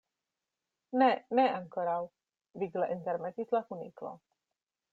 "Ne, ne ankoraŭ," vigle intermetis la Kuniklo.